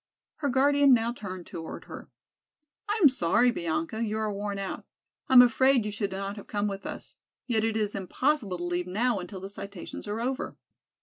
Her guardian now turned toward her. "I am sorry, Bianca, you are worn out. I am afraid you should not have come with us. Yet it is impossible to leave now until the citations are over."